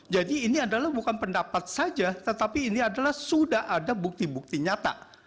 jadi ini adalah bukan pendapat saja tetapi ini adalah sudah ada bukti bukti nyata